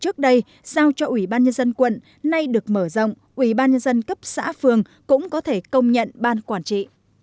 trước đây giao cho ủy ban nhân dân quận nay được mở rộng ủy ban nhân dân cấp xã phường cũng có thể công nhận ban quản trị